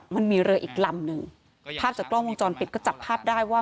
มันมีเรืออีกลำหนึ่งภาพจากกล้องวงจรปิดก็จับภาพได้ว่า